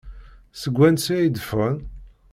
Seg wansi ay d-ffɣen?